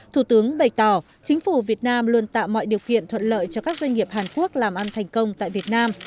thủ tướng bày tỏ chính phủ việt nam luôn tạo mọi điều kiện thuận lợi cho các doanh nghiệp hàn quốc làm ăn thành công tại việt nam